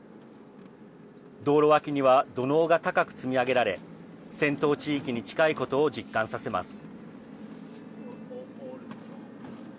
道路脇には土のうが高く積み上げられ戦闘地域に近いことを実感させます。